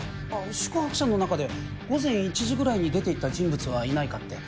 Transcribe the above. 宿泊者の中で午前１時ぐらいに出て行った人物はいないかって。